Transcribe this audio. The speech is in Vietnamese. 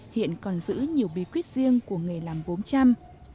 hiện còn giữ nhiều bí quyết riêng của nghề làm gốm trăm